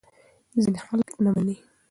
ځینې خلک نه مني.